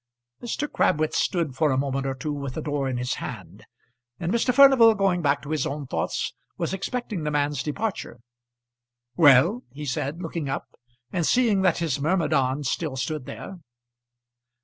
Mr. Crabwitz stood for a moment or two with the door in his hand, and Mr. Furnival, going back to his own thoughts, was expecting the man's departure. "Well," he said, looking up and seeing that his myrmidon still stood there.